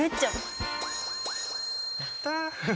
やった！